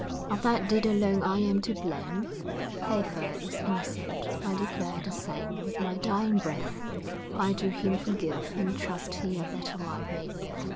Of that deed alone I am to blame, Heffer is innocent, I declare the same, With my dying breath, I do him forgive, And trust he a better life may live.